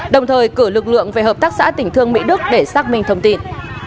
đồng thời cử lực lượng về hợp tác xã tỉnh thương mỹ đức để xác minh thông tin